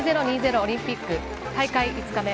オリンピック大会５日目。